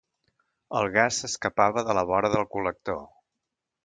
El gas s'escapava de la vora del col·lector.